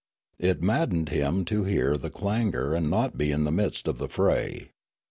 It mad dened him to hear the clangour and not be in the midst of the fray.